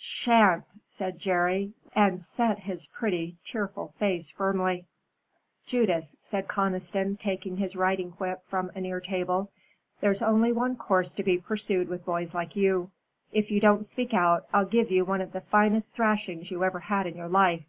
"Sha'n't," said Jerry, and set his pretty, tearful face firmly. "Judas," said Conniston, taking his riding whip from a near table, "there's only one course to be pursued with boys like you. If you don't speak out, I'll give you one of the finest thrashings you ever had in your life."